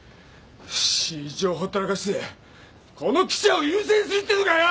信一をほったらかしてこの記者を優先するっていうのかよ！？